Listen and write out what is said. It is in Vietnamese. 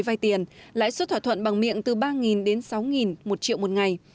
vay tiền lãi suất thỏa thuận bằng miệng từ ba đến sáu một triệu một ngày